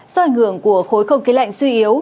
do ảnh hưởng của khối không khí lạnh suy yếu